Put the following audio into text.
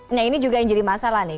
nah ini juga yang jadi masalah nih